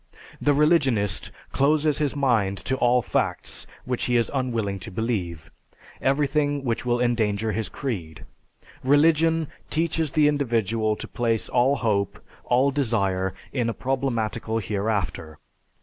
The religionist closes his mind to all facts which he is unwilling to believe, everything which will endanger his creed. Religion teaches the individual to place all hope, all desire, in a problematical hereafter.